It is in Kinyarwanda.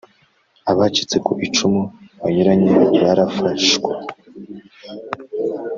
Abacitse ku icumu banyuranye barafashwa.